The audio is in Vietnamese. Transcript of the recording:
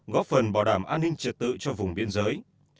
góp phần bảo đảm an ninh trật tự cho vùng biên giới